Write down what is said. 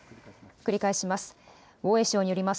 繰り返します。